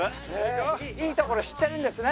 いい所知ってるんですね。